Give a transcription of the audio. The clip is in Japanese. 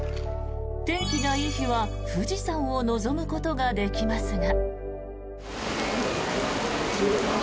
天気がいい日は富士山を望むことができますが。